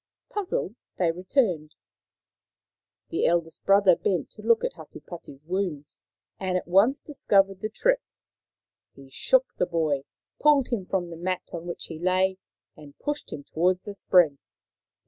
Puzzled, they returned. The eldest brother bent to look at Hatupatu' s wounds, and at once discovered the trick. He shook the boy, pulled him from the mat on which he lay, and pushed him towards the spring.